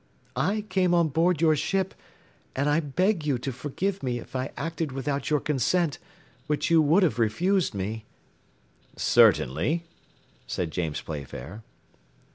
I came on board your ship, and I beg you to forgive me if I acted without your consent, which you would have refused me." "Certainly," said James Playfair.